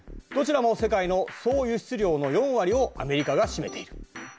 どちらも世界の総輸出量の４割をアメリカが占めている。